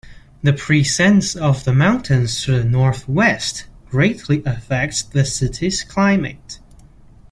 The presence of the mountains to the northwest greatly affects the city's climate.